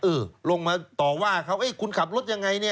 เออลงมาต่อว่าเขาคุณขับรถยังไงเนี่ย